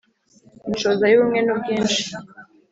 Inshoza y’ubumwe n’ubwinshi